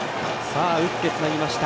打ってつなぎました。